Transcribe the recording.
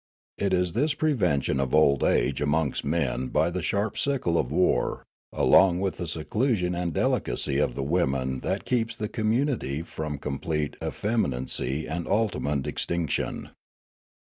It is this prevention of old age amongst men by the sharp sickle of war along with the seclu sion and delicacy of the women that keeps the commun ity from complete effeminacy and ultimate extinction.